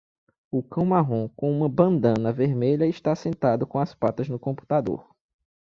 O cão marrom com uma bandana vermelha está sentado com as patas no computador.